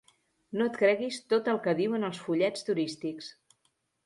No et creguis tot el que diuen els fullets turístics.